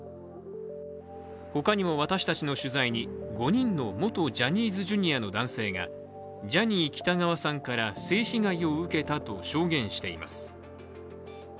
他にも私たちの取材に、５人の元ジャニーズＪｒ．の男性がジャニー喜多川さんから性被害を受けたと証言しています。